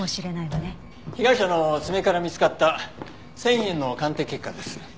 被害者の爪から見つかった繊維片の鑑定結果です。